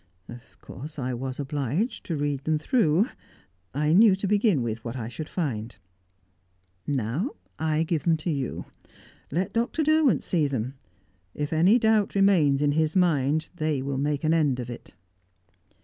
Of course I was obliged to read them through; I knew to begin with what I should find. Now I give them to you. Let Dr. Derwent see them. If any doubt remains in his mind, they will make an end of it."